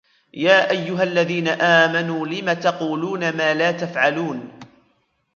يَا أَيُّهَا الَّذِينَ آمَنُوا لِمَ تَقُولُونَ مَا لَا تَفْعَلُونَ